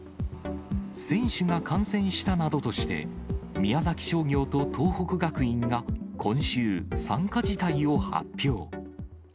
選手が感染したなどとして、宮崎商業と東北学院が今週、参加辞退を発表。